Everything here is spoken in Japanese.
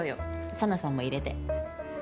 紗菜さんも入れて。